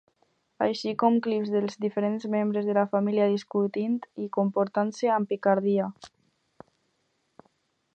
Així com clips dels diferents membres de la família discutint i comportant-se amb picardia.